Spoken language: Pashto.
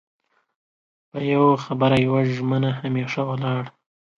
په يو خبره يوه ژمنه همېشه ولاړ